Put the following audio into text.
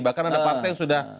bahkan ada partai yang sudah